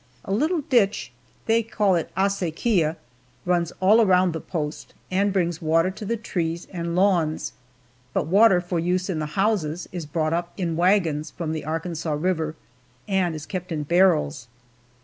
A little ditch they call it acequia runs all around the post, and brings water to the trees and lawns, but water for use in the houses is brought up in wagons from the Arkansas River, and is kept in barrels.